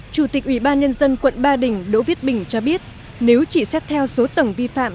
chủ tịch ủy ban nhân dân quận ba đình đỗ viết bình cho biết nếu chỉ xét theo số tầng vi phạm